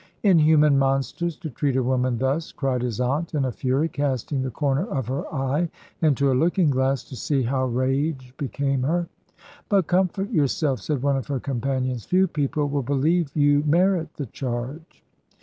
"Inhuman monsters, to treat a woman thus!" cried his aunt in a fury, casting the corner of her eye into a looking glass, to see how rage became her. "But, comfort yourself," said one of her companions: "few people will believe you merit the charge."